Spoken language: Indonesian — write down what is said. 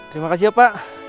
terima kasih ya pak